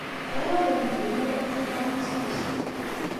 Bɣiɣ ad lemden warraw-iw tafṛansist.